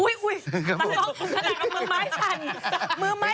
อุ้ยต่างเอามือไม้สั่น